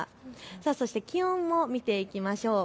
そして気温を見ていきましょう。